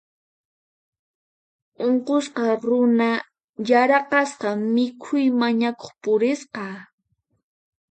Unqusqa runa yaraqasqa mikhuy mañakuq purisqa.